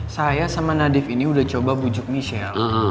saya sama nadif ini udah coba bujuk michelle